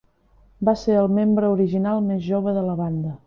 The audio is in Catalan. Va ser el membre original més jove de la banda.